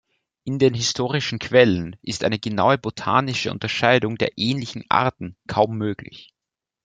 In den historischen Quellen ist eine genaue botanische Unterscheidung der ähnlichen Arten kaum möglich.